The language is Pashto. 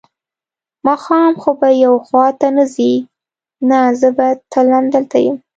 ماښام خو به یو خوا ته نه ځې؟ نه، زه به تل همدلته یم.